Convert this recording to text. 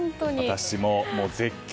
私も絶叫。